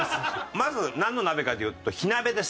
まずなんの鍋かっていうと火鍋です。